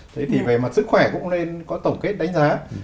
thế thì về mặt sức khỏe cũng nên có tổng kết đánh giá